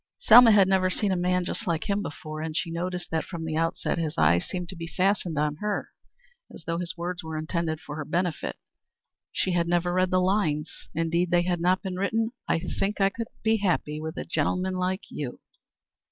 Selma had never seen a man just like him before, and she noticed that from the outset his eyes seemed to be fastened on her as though his words were intended for her special benefit. She had never read the lines indeed they had not been written "I think I could be happy with a gentleman like you."